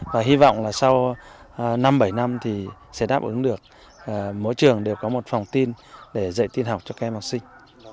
và hy vọng là sau năm bảy năm thì sẽ đáp ứng được mỗi trường đều có một phòng tin để dạy tin học cho các em học sinh